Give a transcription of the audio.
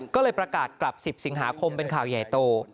ก็เลยประกาศกลับ๑๐สิงหาคมเป็นข่าวใหญ่โต